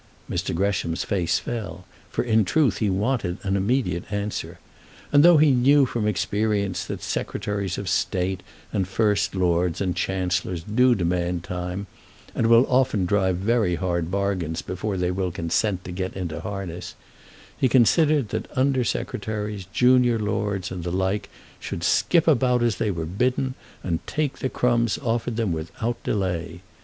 Mr. Gresham's face fell, for, in truth, he wanted an immediate answer; and though he knew from experience that Secretaries of State, and First Lords, and Chancellors, do demand time, and will often drive very hard bargains before they will consent to get into harness, he considered that Under Secretaries, Junior Lords, and the like, should skip about as they were bidden, and take the crumbs offered them without delay.